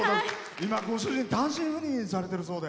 今、ご主人単身赴任しているそうで。